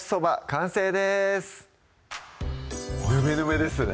完成ですぬめぬめですね